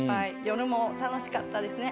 夜も楽しかったですね。